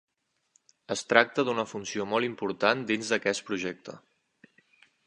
Es tracta d'una funció molt important dins d'aquest projecte.